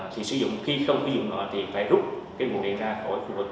thì sử dụng khi không sử dụng thì phải rút cái nguồn điện ra khỏi khu vực